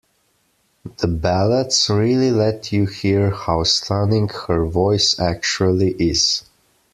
The ballads really let you hear how stunning her voice actually is.